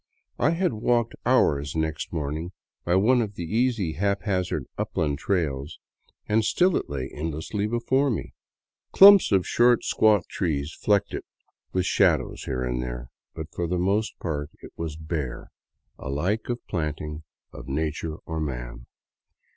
I had walked hours next morning by one of those easy haphazard upland trails, and still it lay endless before me. Clumps of short, squat trees flecked it with shadows here and there, but for the most part it was bare alike 52 FROM BOGOTA OVER THE QUINDIO of the planting of nature or man.